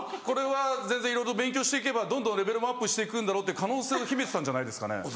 これはいろいろ勉強して行けばどんどんレベルもアップして行くんだろうって可能性を秘めてたんじゃないですかね？